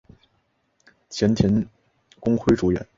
前田公辉主演。